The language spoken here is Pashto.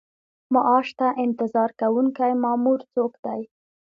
معاش ته انتظار کوونکی مامور څوک دی؟